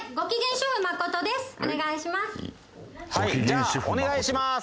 じゃあお願いします。